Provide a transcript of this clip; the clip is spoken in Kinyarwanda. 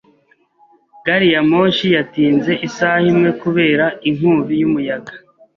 Gari ya moshi yatinze isaha imwe kubera inkubi y'umuyaga.